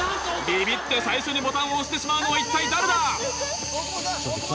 ビビって最初にボタンを押してしまうのは一体誰だ？